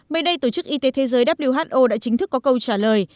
mới đây tổ chức y tế thế giới who đã chính thức có câu trả lời